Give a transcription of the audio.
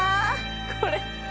これ。